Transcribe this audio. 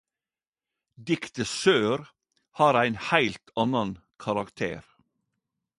Diktet Sør har ein heilt annan karakter.